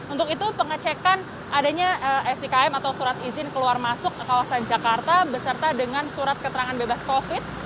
untuk itu pengecekan adanya sikm atau surat izin keluar masuk kawasan jakarta beserta dengan surat keterangan bebas covid